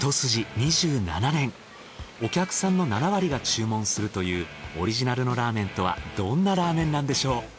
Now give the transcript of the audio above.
お客さんの７割が注文するというオリジナルのラーメンとはどんなラーメンなんでしょう？